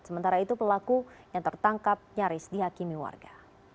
sementara itu pelaku yang tertangkap nyaris dihakimi warga